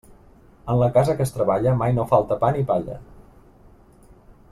En la casa que es treballa, mai no falta pa ni palla.